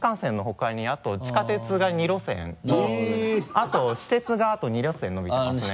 あと私鉄があと２路線のびてますね。